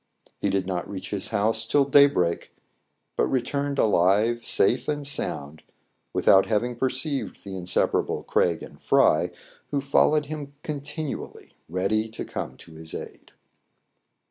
He did not reach his house till daybreak, but returned alive safe and sound without having perceived the in separable Craig and Fry, who followed him con tinually, ready to come to his aid.